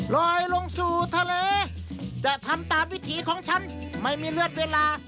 ลอยลงสู่ทะเลจะทำตามวิถีของฉันไม่มีเลือดเวลา